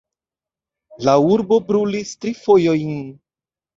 La urbo brulis tri fojojn.